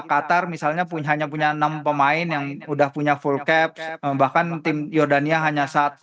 qatar misalnya hanya punya enam pemain yang udah punya full caps bahkan tim yordania hanya satu